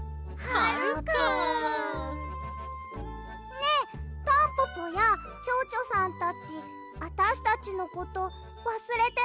ねえタンポポやチョウチョさんたちあたしたちのことわすれてないかな？